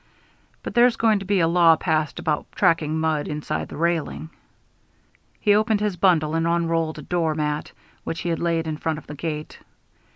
But there's going to be a law passed about tracking mud inside the railing." He opened his bundle and unrolled a door mat, which he laid in front of the gate.